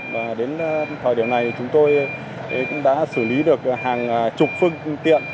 và đến thời điểm này chúng tôi cũng đã xử lý được hàng chục phương tiện